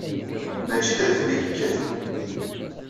Mačči d adfel i yekkaten.